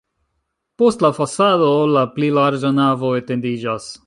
Post la fasado la pli larĝa navo etendiĝas.